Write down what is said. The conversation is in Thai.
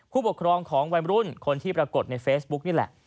ผู้ปกครองของวัยรุ่นคนที่ปรากฏในเฟซบุ๊กนี่แหละ